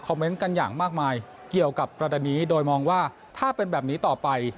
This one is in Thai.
เมนต์กันอย่างมากมายเกี่ยวกับประเด็นนี้โดยมองว่าถ้าเป็นแบบนี้ต่อไป